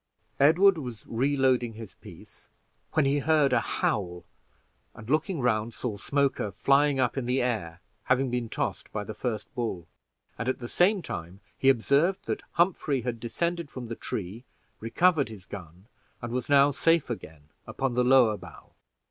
Edward was reloading his piece when he heard a howl, and looking round, saw Smoker flying up in the air, having been tossed by the first bull; and at the same time he observed that Humphrey had descended from the tree, recovered his gun, and was now safe again upon the lower bough.